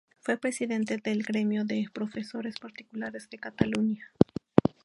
Fue presidente del Gremio de Profesores Particulares de Cataluña.